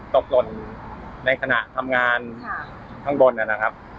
ตกหล่นในขณะทำงานข้างบนนะครับ